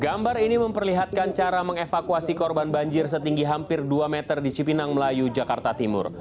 gambar ini memperlihatkan cara mengevakuasi korban banjir setinggi hampir dua meter di cipinang melayu jakarta timur